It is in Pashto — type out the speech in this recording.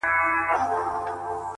د سترگو سرو لمبو ته دا پتنگ در اچوم’